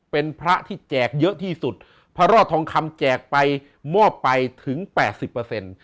เป็นพระที่แจกเยอะที่สุดพระรอดทองคำแจกไปมอบไปถึงแปดสิบเปอร์เซ็นต์